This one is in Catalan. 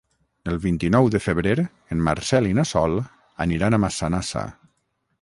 El vint-i-nou de febrer en Marcel i na Sol aniran a Massanassa.